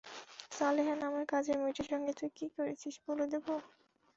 সালেহা নামের কাজের মেয়েটির সঙ্গে তুই কী করেছিস, বলে দেব?